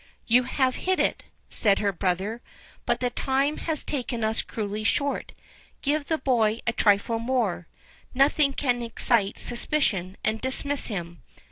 "You have hit it," said her brother; "but the time has taken us cruelly short. Give the boy a trifle more—nothing that can excite suspicion, and dismiss him.